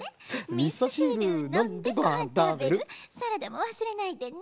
「みそしるのんでごはんたべるサラダもわすれないでね」